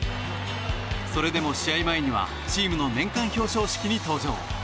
それでも、試合前にはチームの年間表彰式に登場。